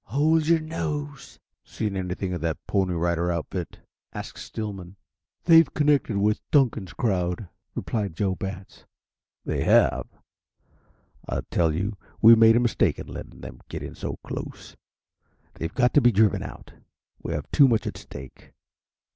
"Hold your nose." "Seen anything of that Pony Rider outfit?" asked Stillman. "They've connected with Dunkan's crowd," replied Joe Batts. "They have? I tell you we made a mistake in letting them get in so close. They've got to be driven out. We have too much at stake.